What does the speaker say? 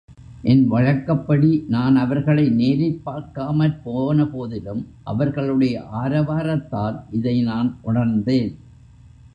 என் வழக்கப்படி நான் அவர்களை நேரிற் பார்க்காமற் போனபோதிலும், அவர்களுடைய ஆரவாரத் தால் இதை நான் உணர்ந்தேன்.